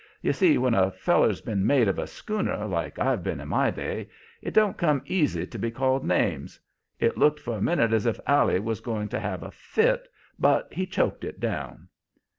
You see, when a feller's been mate of a schooner, like I've been in my day, it don't come easy to be called names. It looked for a minute as if Allie was going to have a fit, but he choked it down.